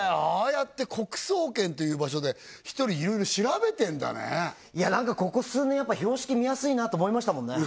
やって国総研という場所でひとりいろいろ調べてんだねいやなんかここ数年やっぱ標識見やすいなと思いましたもんね